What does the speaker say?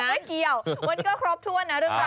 ไม่เกี่ยววันนี้ก็ครอบทั่วนะ